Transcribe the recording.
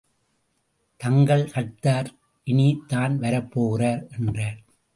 தங்கள் கர்த்தர் இனித் தான் வரப்போகிறார் என்றார்.